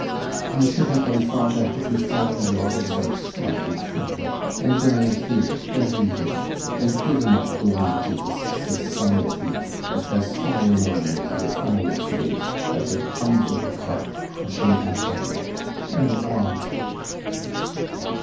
"I should have done far better to follow your advice, my good Schmucke, and dined here every day, and given up going into this society, that has fallen on me with all its weight, like a tumbril cart crushing an egg! And why?"